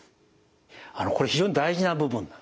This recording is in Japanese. あのこれ非常に大事な部分なんですね。